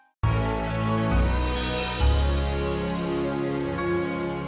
ya aku mau pergi